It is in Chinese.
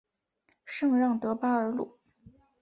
圣让德巴尔鲁。